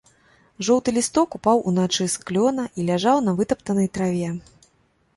Жоўты лісток упаў уначы з клёна і ляжаў на вытаптанай траве.